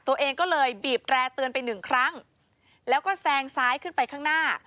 ตัวเองก็เลยบีบแร่เตือนไปหนึ่งครั้งแล้วก็แซงซ้ายขึ้นไปข้างหน้า